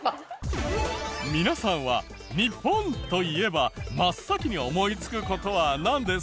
皆さんは日本といえば真っ先に思いつく事はなんですか？